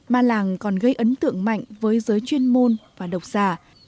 ma làng còn gây ấn tượng mạnh với giới chuyên môn và độc giả